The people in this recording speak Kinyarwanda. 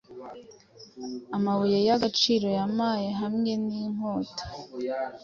Amabuye yagaciro yampaye hamwe ninkota